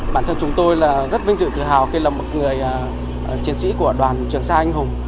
bản thân chúng tôi là rất vinh dự tự hào khi là một người chiến sĩ của đoàn trường sa anh hùng